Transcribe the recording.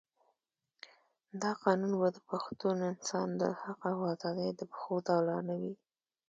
دا قانون به د پښتون انسان د حق او آزادۍ د پښو زولانه وي.